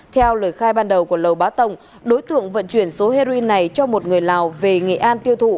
theo lời khai ban đầu của lầu bá tổng đối tượng vận chuyển số heroin này cho một người lào về nghệ an tiêu thụ